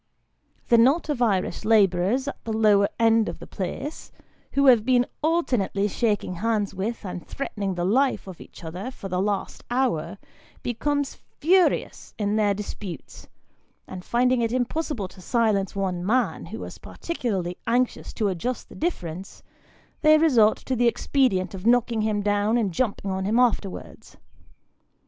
The knot of Irish labourers at the lower end of the place, who have been alternately shaking hands with, and threatening the life of each other, for the last hour, become furious in their disputes, and finding it impossible to silence one man, who is particularly anxious to adjust the difference, they resort to the expedient of knocking him down and jumping on him afterwards.